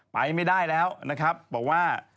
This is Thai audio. ไปไม่ได้แล้วบอกว่า